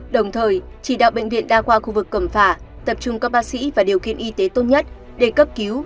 đồng thời chỉ đạo bệnh viện đa khoa khu vực cẩm phả tập trung các bác sĩ và điều kiện y tế tốt nhất để cấp cứu